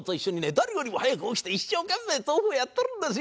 誰よりも早く起きて一生懸命豆腐をやっとるんですよ。